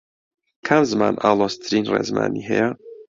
کام زمان ئاڵۆزترین ڕێزمانی هەیە؟